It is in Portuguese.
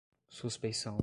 suspeição